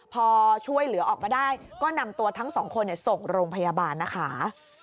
พอช่วยเหลือออกมาได้ก็นำตัวทั้งสองคนส่งโรงพยาบาลนะคะ